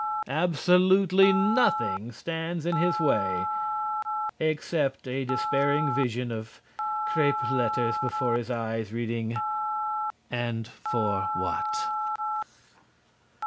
Absolutely nothing stands in his way, except a dispairing vision of crêpe letters before his eyes reading:" And For What?"